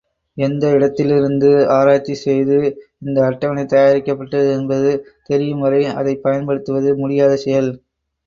எந்த இடத்திலிருந்து ஆராய்ச்சி செய்து இந்த அட்டவணை தயாரிக்கப்பட்டது என்பது தெரியும் வரை அதைப் பயன்படுத்துவது முடியாத செயல்.